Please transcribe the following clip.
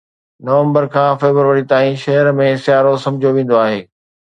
نومبر کان فيبروري تائين شهر ۾ سيارو سمجهيو ويندو آهي